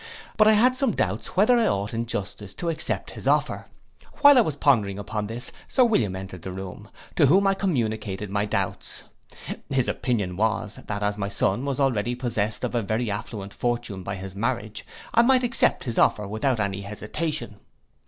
But I had some doubts whether I ought in justice to accept his offer. While I was pondering upon this, Sir William entered the room, to whom I communicated my doubts. His opinion was, that as my son was already possessed of a very affluent fortune by his marriage, I might accept his offer without any hesitation.